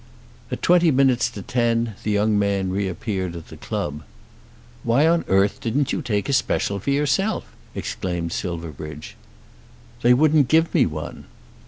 At twenty minutes to ten the young man reappeared at the club. "Why on earth didn't you take a special for yourself?" exclaimed Silverbridge. "They wouldn't give me one."